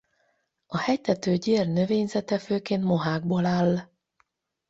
A hegytető gyér növényzete főként mohákból áll.